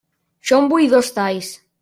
Jo en vull dos talls.